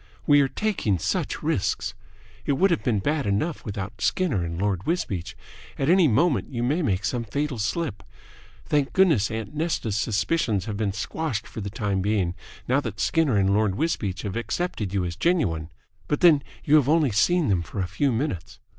We are taking such risks. It would have been bad enough without Skinner and Lord Wisbeach. At any moment you may make some fatal slip. Thank goodness, aunt Nesta's suspicions have been squashed for the time being now that Skinner and Lord Wisbeach have accepted you as genuine. But then you have only seen them for a few minutes.